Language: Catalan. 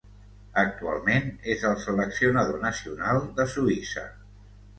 Actualment, és el seleccionador nacional de Suïssa.